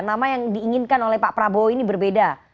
nama yang diinginkan oleh pak prabowo ini berbeda